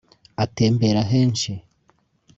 atembera henshi